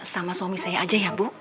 sama suami saya aja ya bu